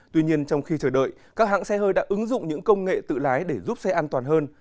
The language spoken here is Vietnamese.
tuy nhiên trong khi chờ đợi các hãng xe hơi đã ứng dụng những công nghệ tự lái để giúp xe an toàn hơn